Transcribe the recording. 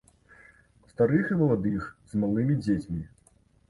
Старых і маладых, з малымі дзецьмі.